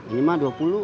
ini mah dua puluh